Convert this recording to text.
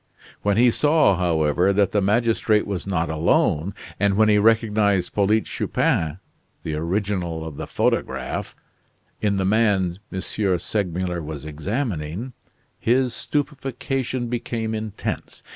When he saw, however, that the magistrate was not alone, and when he recognized Polyte Chupin the original of the photograph in the man M. Segmuller was examining, his stupefaction became intense.